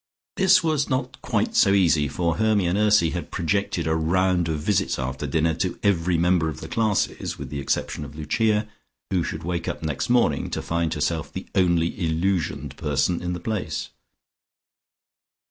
This was not quite so easy, for Hermy and Ursy had projected a round of visits after dinner to every member of the classes with the exception of Lucia, who should wake up next morning to find herself the only illusioned person in the place.